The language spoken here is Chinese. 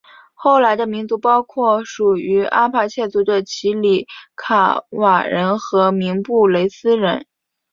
后来的民族包括属于阿帕契族的奇里卡瓦人和明布雷斯人。